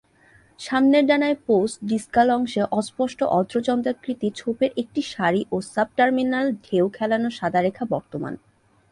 সামনের ডানায় পোস্ট-ডিসকাল অংশে অস্পষ্ট অর্ধ-চন্দ্রাকৃতি ছোপের একটি সারি ও সাব-টার্মিনাল ঢেউ খেলানো সাদা রেখা বর্তমান।